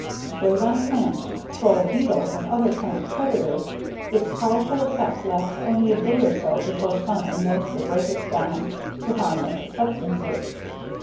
Sprayed on plants to control beetles and other plant predators, its powerful effect lasts only a day or so before sun and moisture break it down to harmless substances.